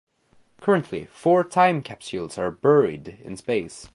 Currently, four time capsules are "buried" in space.